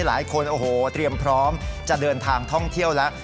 หลายคนโอ้โหเตรียมพร้อมจะเดินทางท่องเที่ยวแล้ว